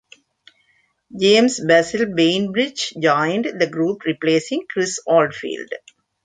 James 'Bazil' Bainbridge joined the group replacing Chris Oldfield.